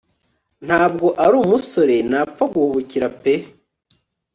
ntago arumusore napfa guhubukira pe